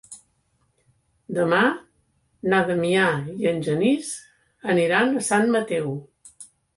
Demà na Damià i en Genís aniran a Sant Mateu.